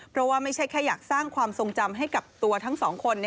เพราะว่าไม่ใช่แค่อยากสร้างความทรงจำให้กับตัวทั้งสองคน